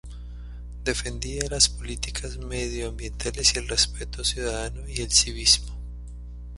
Defendía las Políticas Medioambientales y el respeto ciudadano y el civismo.